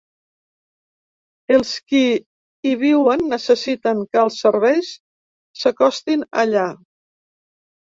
Els qui hi viuen necessiten que els serveis s’acostin allà.